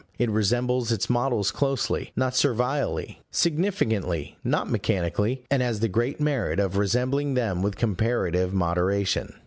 It resembles its models closely, not servilely significantly, not mechanically; and has the great merit of resembling them with comparative moderation.